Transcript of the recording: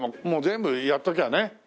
もう全部やっときゃね。